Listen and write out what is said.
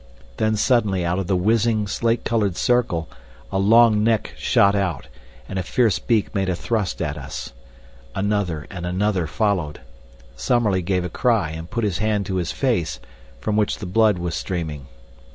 Then suddenly out of the whizzing, slate colored circle a long neck shot out, and a fierce beak made a thrust at us. Another and another followed. Summerlee gave a cry and put his hand to his face, from which the blood was streaming.